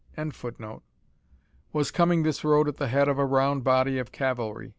] was coming this road at the head of a round body of cavalry.